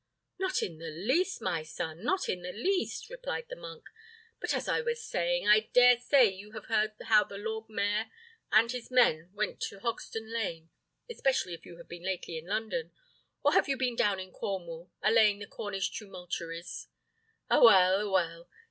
"Not in the least, my son, not in the least!" replied the monk. "But, as I was saying, I dare say you have heard how the lord mayor and his men went to Hogsden Lane, especially if you have been lately in London; or have you been down in Cornwall, allaying the Cornish tumultuaries? A well, a well!